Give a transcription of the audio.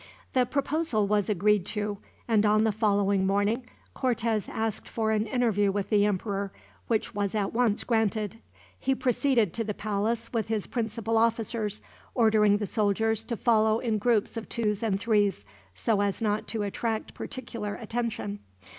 The proposal was agreed to, and on the following morning Cortez asked for an interview with the emperor, which was at once granted. He proceeded to the palace with his principal officers, ordering the soldiers to follow in groups of twos and threes, so as not to attract particular attention.